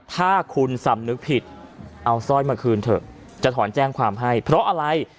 ถ้าคุณสำนึกผิดเอาสร้อยมาคืนเถอะจะถอนแจ้งความให้เพราะอะไร